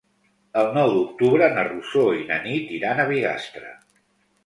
El nou d'octubre na Rosó i na Nit iran a Bigastre.